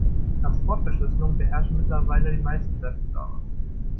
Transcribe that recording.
Transportverschlüsselung beherrschen mittlerweile die meisten Webserver.